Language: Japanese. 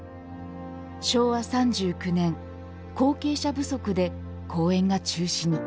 昭和３９年、後継者不足で公演が中止に。